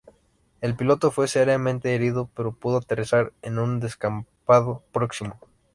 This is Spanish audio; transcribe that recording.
El piloto fue seriamente herido pero pudo aterrizar en un descampado próximo.